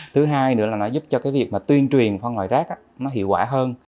thứ hai nữa là nó giúp cho cái việc mà tuyên truyền phân loại rác nó hiệu quả hơn